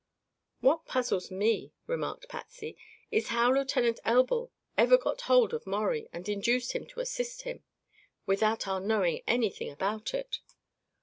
"What puzzles me," remarked Patsy, "is how Lieutenant Elbl ever got hold of Maurie, and induced him to assist him, without our knowing anything about it."